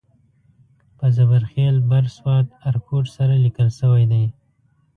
په زبر خېل بر سوات ارکوټ سره لیکل شوی دی.